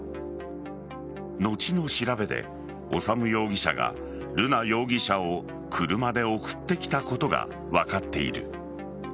後の調べで、修容疑者が瑠奈容疑者を車で送ってきたことが分かっている。